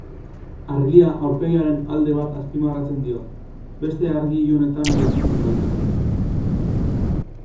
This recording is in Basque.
Argia aurpegiaren alde bat azpimarratzen dio, beste argi-ilunetan gelditzen baita.